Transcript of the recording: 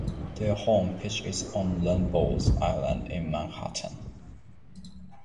Their home pitch is on Randalls Island in Manhattan.